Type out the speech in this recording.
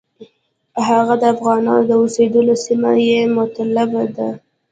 هغه د افغانانو د اوسېدلو سیمه یې مطلب ده.